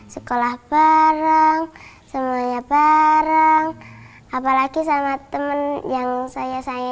sekolah bareng semuanya bareng apalagi sama temen yang saya saya